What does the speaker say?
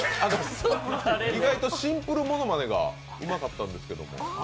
意外とシンプルものまねがうまかったんですけど。